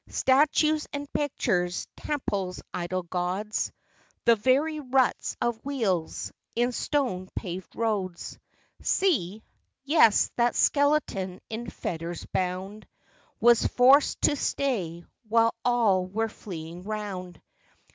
Statues, and pictures, temples, idol gods, The very ruts of wheels, in stone paved roads. See ! yes, that skeleton in fetters bound, Was forced to stay, while all were fleeing round.